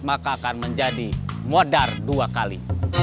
akan menjadi modar dua kali